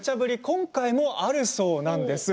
今回もあるそうです。